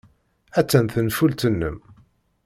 Attan tenfult-nnem.